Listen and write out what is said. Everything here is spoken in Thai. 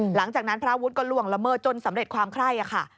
หลังจากนั้นพระวุฒิก็ล่วงระเมิดจนสำเร็จความไข้